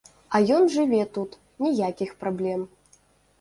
А ён жыве тут, ніякіх праблем.